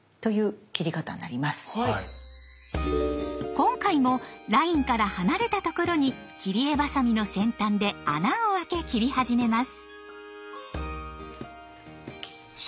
今回もラインから離れたところに切り絵バサミの先端で穴をあけ切り始めます。